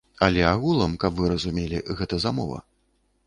Але агулам, каб вы разумелі, гэта замова.